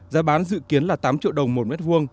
giá bán dự kiến là tám triệu đồng một m hai